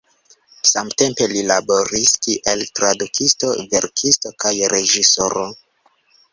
Samtempe li laboris kiel tradukisto, verkisto kaj reĝisoro.